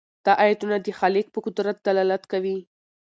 دا آیتونه د خالق په قدرت دلالت کوي.